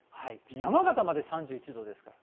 山形まで３１度ですから。